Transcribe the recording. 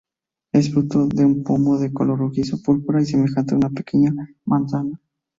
El fruto es un pomo de color rojizo-púrpura, semejante a una pequeña manzana.